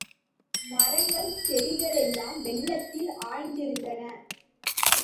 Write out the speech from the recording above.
மரங்கள் செடிகளெல்லாம் வெள்ளத்தில் ஆழ்ந்திருந்தன.